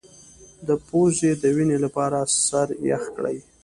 د پوزې د وینې لپاره سر یخ کړئ